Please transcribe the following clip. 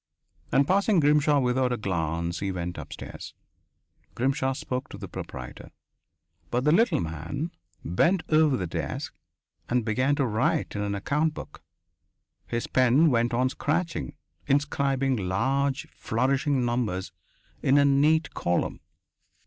And passing Grimshaw without a glance he went upstairs. Grimshaw spoke to the proprietor. But the little man bent over the desk, and began to write in an account book. His pen went on scratching, inscribing large, flourishing numbers in a neat column....